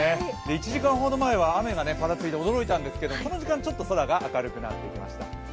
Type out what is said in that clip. １時間ほど前は、雨がぱらついて驚いたんですけど、この時間、ちょっと空が明るくなってきました。